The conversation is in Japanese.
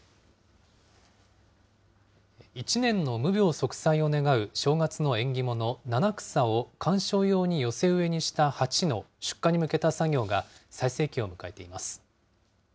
１年の無病息災を願う正月の縁起物、七草を観賞用に寄せ植えにした鉢の出荷に向けた作業が最盛期を迎えています。